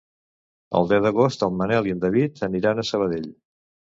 El deu d'agost en Manel i en David aniran a Sabadell.